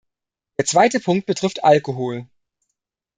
Der zweite Punkt betrifft Alkohol.